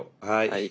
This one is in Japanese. はい。